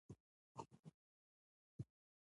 د مالیاتو د ټولولو تنظیم اوس هم شتون نه لري.